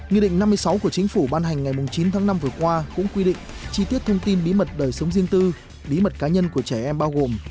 nghị định năm mươi sáu của chính phủ ban hành ngày chín tháng năm vừa qua cũng quy định chi tiết thông tin bí mật đời sống riêng tư bí mật cá nhân của trẻ em bao gồm